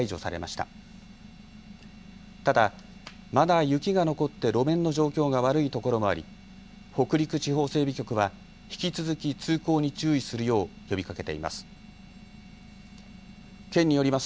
ただ、まだ雪が残って路面の状況が悪いところもあり北陸地方整備局は引き続き通行に注意するよう呼びかけています。